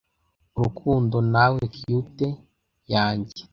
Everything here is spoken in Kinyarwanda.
urukundo nawe cutie yanjye